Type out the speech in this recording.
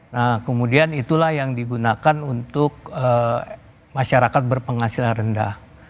nah kemudian itulah yang digunakan untuk masyarakat berpenghasilan rendah